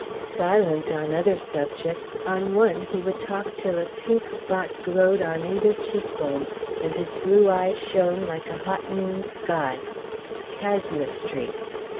Silent on other subjects, on one he would talk till a pink spot glowed on either cheek bone and his blue eyes shone like a hot noon sky; casuistry.